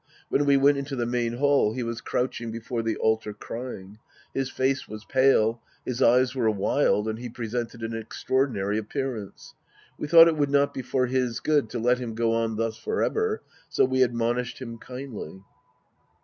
When we went into the main hall, he was crouching before the altar crying. His face was pale, his eyes were wild and he present ed an extraordinaiy appearance. We thought it would not be for his good to let him go on thus for ever, so we admonished him kindly.